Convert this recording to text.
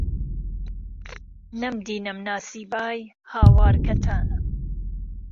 نهمدی نهمناسیبای، هاوار کهتانه